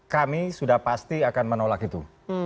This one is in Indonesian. kami sudah pasti akan menolak itu